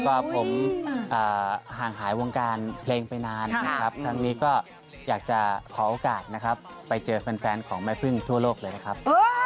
ก็ผมห่างหายวงการเพลงไปนานนะครับทั้งนี้ก็อยากจะขอโอกาสนะครับไปเจอแฟนของแม่พึ่งทั่วโลกเลยนะครับ